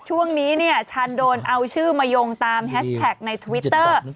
ช่วงนี้เนี่ยชันโดนเอาชื่อมายงตามแฮชแท็กในทวิตเตอร์